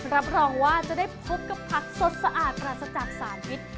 รับรองว่าจะได้พบกับผักสดสะอาดปราศจากสารพิษ